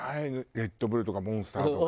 レッドブルとかモンスターとか。